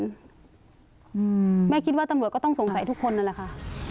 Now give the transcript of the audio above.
แม่คิดว่าตำรวจก็ต้องสงสัยทุกคนนั่นแหละค่ะ